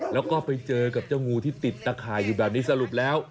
แล้วก็ไปเจอกับเจ้างูที่ติดตะข่ายอยู่แบบนี้สรุปแล้ว